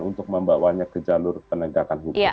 untuk membawanya ke jalur penegakan hukum